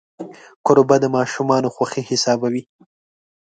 کوربه د ماشومانو خوښي حسابوي.